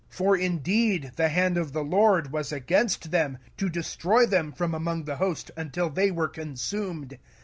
05:002:015 For indeed the hand of the LORD was against them, to destroy them from among the host, until they were consumed.